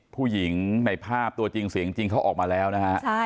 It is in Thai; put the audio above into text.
ผู้หญิงในภาพตัวจริงเสียงจริงเขาออกมาแล้วนะฮะ